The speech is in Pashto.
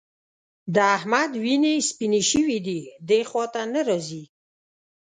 د احمد وینې سپيېنې شوې دي؛ دې خوا ته نه راځي.